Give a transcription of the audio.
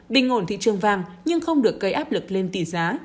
bình ngồn thị trường vàng nhưng không được gây áp lực lên tỷ giá